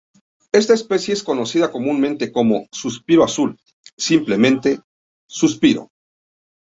Esta especie es conocida comúnmente como 'Suspiro azul' simplemente 'Suspiro'.